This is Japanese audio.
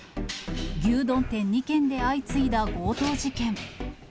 牛丼店２軒で相次いだ強盗事件。